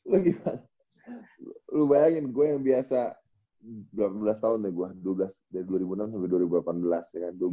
lu gimana lu bayangin gue yang biasa delapan belas tahun ya gue dari dua ribu enam sampai dua ribu delapan belas ya kan